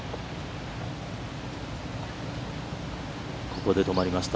ここで止まりました。